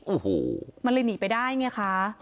โอ้โหมันเลยหนีไปได้ไงคะ